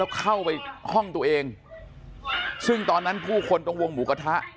เข้าไปห้องตัวเองซึ่งตอนนั้นผู้คนตรงวงหมูกระทะ